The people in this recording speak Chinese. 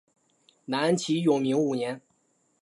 南齐永明五年。